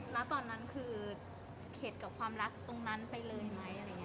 แล้วตอนนั้นเขตกับความรักตรงนั้นไปเลยไหม